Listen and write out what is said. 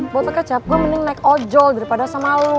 foto kecap gue mending naik ojol daripada sama lo